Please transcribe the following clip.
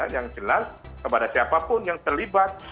yang jelas kepada siapapun yang terlibat